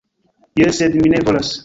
Jes, sed mi ne volas!